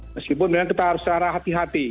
meskipun kita harus secara hati hati